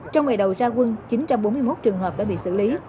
trong ngày đầu ra quân chín trăm bốn mươi một trường hợp đã bị xử lý